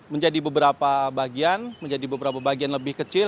menjadi beberapa bagian menjadi beberapa bagian lebih kecil